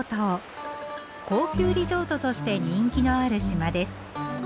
高級リゾートとして人気のある島です。